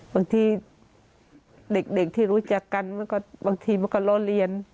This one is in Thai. บางทีเด็กที่รู้จักกันบางทีมันก็ล้อเลียน